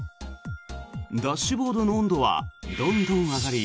ダッシュボードの温度はどんどん上がり